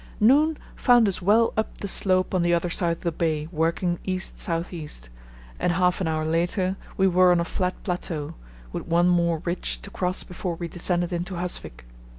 Noon found us well up the slope on the other side of the bay working east south east, and half an hour later we were on a flat plateau, with one more ridge to cross before we descended into Husvik.